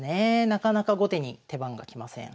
なかなか後手に手番が来ません。